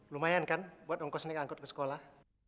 lumayan kan buat dong kau naik angkot ke sekolah